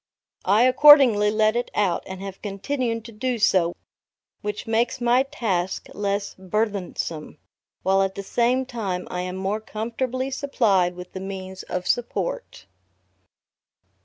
I accordingly let it out, and have continued to do so, which makes my task less burthensome, while at the same time I am more comfortably supplied with the means of support.